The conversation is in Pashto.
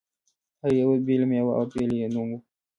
هر یوې بېله مېوه او بېل یې نوم و.